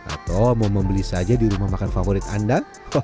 atau mau membeli saja di rumah makan favorit anda